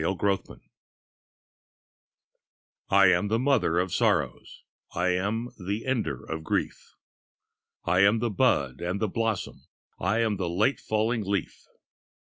THE PARADOX I am the mother of sorrows, I am the ender of grief; I am the bud and the blossom, I am the late falling leaf.